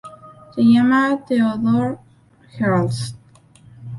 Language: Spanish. Se llama Theodor Herzl".